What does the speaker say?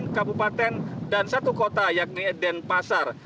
delapan kabupaten dan satu kota yakni denpasar